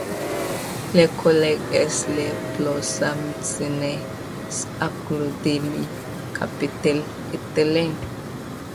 Le Collège est la plus ancienne école de la capitale italienne.